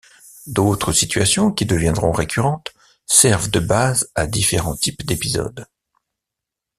D'autres situations, qui deviendront récurrentes, servent de base à différents types d'épisodes.